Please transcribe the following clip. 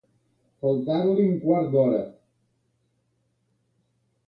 Faltar-li un quart d'hora.